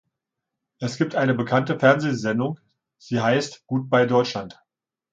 Es gibt eine bekannte Fernsehsendung, sie heißt "Goodbye Deutschland".